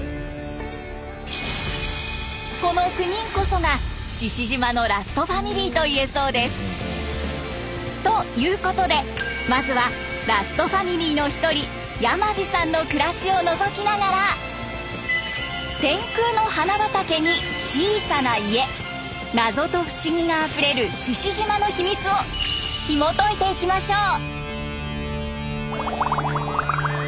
この９人こそが志々島のラストファミリーといえそうです。ということでまずはラストファミリーの一人山地さんの暮らしをのぞきながら天空の花畑に小さな家謎と不思議があふれる志々島の秘密をひもといていきましょう！